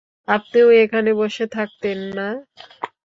আপনিও এখানে বসে থাকতেন না।